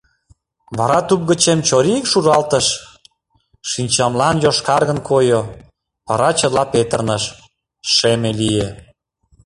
Вара туп гычем чорик шуралтыш... шинчамлан йошкаргын койо, вара чыла петырныш, шеме лие...